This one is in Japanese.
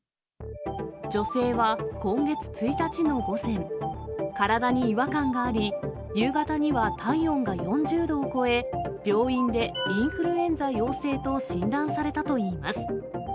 女性は今月１日の午前、体に違和感があり、夕方には体温が４０度を超え、病院でインフルエンザ陽性と診断されたといいます。